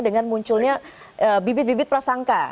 dengan munculnya bibit bibit prasangka